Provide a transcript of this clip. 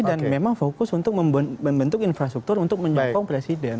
dan memang fokus untuk membentuk infrastruktur untuk menyokong presiden